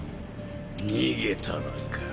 「逃げたら」か。